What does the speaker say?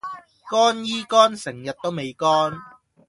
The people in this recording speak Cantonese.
乾衣乾成日都未乾